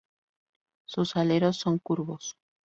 Sus aleros son curvos.